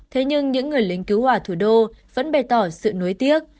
thế nhưng những người lính cứu hỏa thủ đô vẫn bày tỏ sự nối tiếc